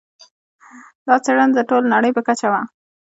دا څېړنه د ټولې نړۍ په کچه وه.